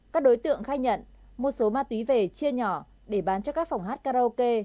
các đối tượng khai nhận một số ma túy về chia nhỏ để bán cho các phòng hát karaoke